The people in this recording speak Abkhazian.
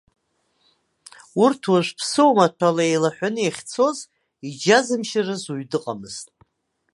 Урҭ уажә ԥсуа маҭәала еилаҳәаны иахьцоз иџьазымшьарыз уаҩ дыҟамызт.